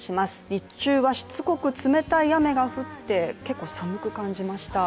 日中はしつこく冷たい雨が降って結構寒く感じました。